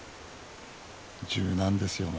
柔軟ですよね